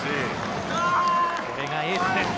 これがエースです。